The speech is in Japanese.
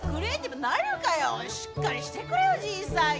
しっかりしてくれよじいさんよ。